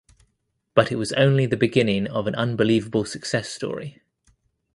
But it was only the beginning of an unbelievable success story.